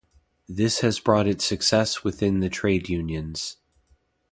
This has brought it success within the trade unions.